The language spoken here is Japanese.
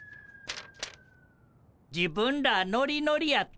「自分らノリノリやったな。